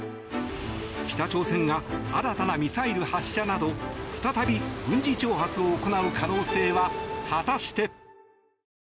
北朝鮮が新たなミサイル発射など再び軍事挑発を行う可能性は果たして。